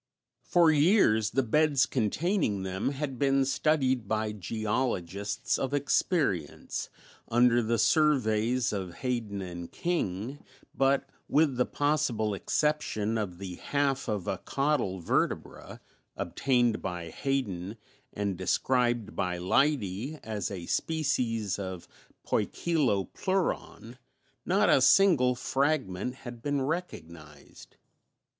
For years the beds containing them had been studied by geologists of experience, under the surveys of Hayden and King, but, with the possible exception of the half of a caudal vertebra, obtained by Hayden and described by Leidy as a species of Poikilopleuron, not a single fragment had been recognized.